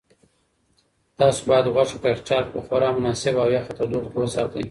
تاسو باید غوښه په یخچال کې په خورا مناسبه او یخه تودوخه کې وساتئ.